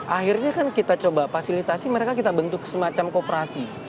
akhirnya kan kita coba fasilitasi mereka kita bentuk semacam kooperasi